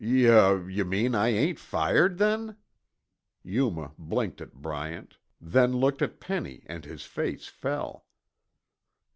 "Yuh yuh mean that I ain't fired then?" Yuma blinked at Bryant, then looked at Penny and his face fell.